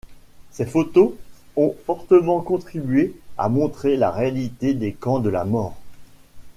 Ses photos ont fortement contribué à montrer la réalité des camps de la mort.